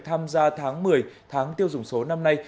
tham gia tháng một mươi tháng tiêu dùng số năm nay